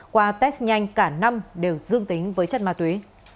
qua test nhanh cả năm đều dương tính với chất ma túy